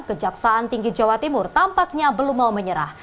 kejaksaan tinggi jawa timur tampaknya belum mau menyerah